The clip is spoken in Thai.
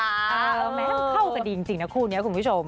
แม้เข้ากันดีจริงนะคู่นี้คุณผู้ชม